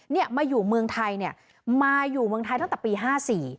เนี่ยมาอยู่เมืองไทยเนี่ยมาอยู่เมืองไทยตั้งแต่ปีห้าสี่